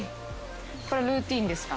これルーティンですか？